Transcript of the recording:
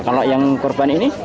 kalau yang korban ini